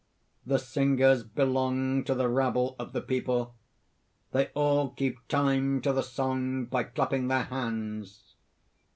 _ _The singers belong to the rabble of the people; they all keep time to the song by clapping their hands.